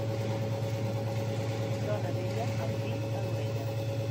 Dona vella, el fill a l'orella.